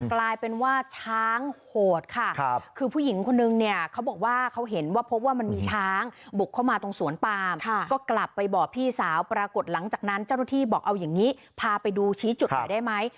กลายเป็นว่าช้างโหดค่ะคือผู้หญิงคนนึงเนี่ยเขาบอกว่าเขาเห็นว่าพบว่ามันมีช้างบุกเข้ามาตรงสวนปามก็กลับไปบอกพี่สาวปรากฏหลังจากนั้นเจ้าหน้าที่บอกเอาอย่างนี้พาไปดูชี้จุดหน่อยได้ไหม